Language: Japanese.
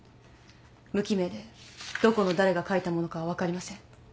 無記名でどこの誰が書いたものかは分かりません。